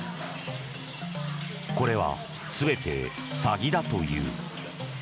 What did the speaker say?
これは全てサギだという。